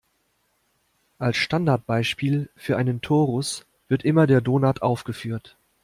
Als Standardbeispiel für einen Torus wird immer der Donut aufgeführt.